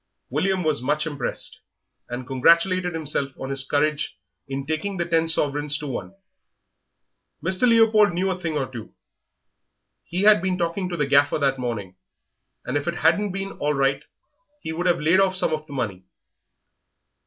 William was much impressed, and congratulated himself on his courage in taking the ten half sovereigns to one. Mr. Leopold knew a thing or two; he had been talking to the Gaffer that morning, and if it hadn't been all right he would have laid off some of the money.